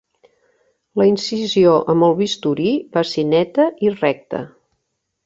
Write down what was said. La incisió amb el bisturí va ser neta i recta.